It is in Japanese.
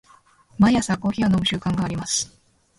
毎朝コーヒーを飲む習慣があります。